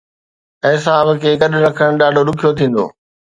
اعصاب کي گڏ رکڻ ڏاڍو ڏکيو ٿيندو.